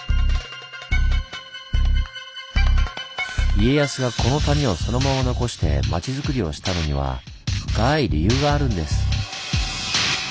家康がこの谷をそのまま残して町づくりをしたのには深い理由があるんです。